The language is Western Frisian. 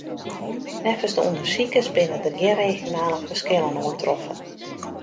Neffens de ûndersikers binne der gjin regionale ferskillen oantroffen.